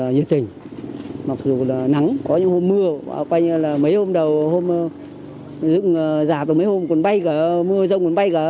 nhiều tình mặc dù là nắng có những hôm mưa mấy hôm đầu giảm mấy hôm cuốn bay cả mưa giông cuốn bay cả